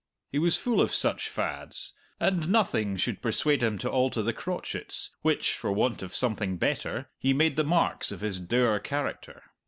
He was full of such fads, and nothing should persuade him to alter the crotchets, which, for want of something better, he made the marks of his dour character.